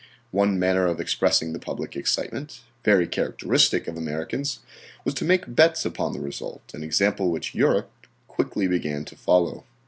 One manner of expressing the public excitement, very characteristic of Americans, was to make bets upon the result, an example which Europe quickly began to follow.